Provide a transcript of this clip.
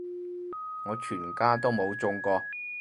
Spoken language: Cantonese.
我全家都冇中過